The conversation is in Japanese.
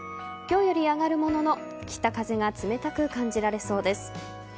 今日より上がるものの北風が冷たく感じられそうです。